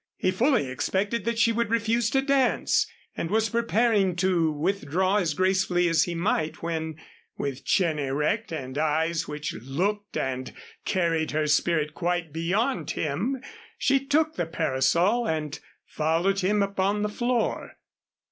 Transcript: He fully expected that she would refuse to dance, and was preparing to withdraw as gracefully as he might when, with chin erect and eyes which looked and carried her spirit quite beyond him, she took the parasol and followed him upon the floor.